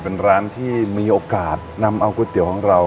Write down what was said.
เป็นร้านที่มีโอกาสนำเอาก๋วยเตี๋ยวของเรา